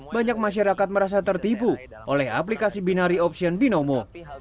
banyak masyarakat merasa tertipu oleh aplikasi binari option binomo